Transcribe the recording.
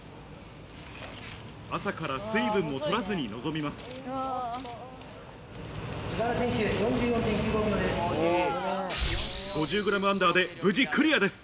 朝から水分も取らずに臨みます。